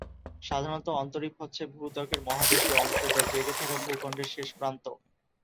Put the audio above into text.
সাধারণত অন্তরীপ হচ্ছে ভূত্বকের মহাদেশীয় অংশ যা জেগে থাকা ভূখন্ডের শেষ প্রান্ত।